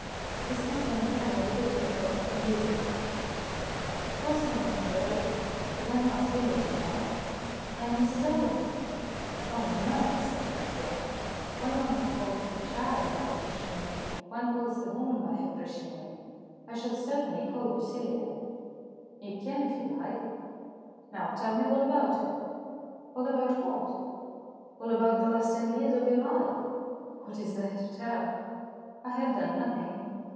His hands on the piano repeated a phrase of the music. " Of course I remember it. But I am not Celia any more. I am Mrs Owen." " Oh, no," said Haynes, laughing. " When one has called the child by her Christian name, one calls the woman by her Christian name. I shall certainly call you Celia." " You can if you like." " Now tell me all about it." "All about what?" " All about the last ten years of your life." " What is there to tell ? I have done nothing.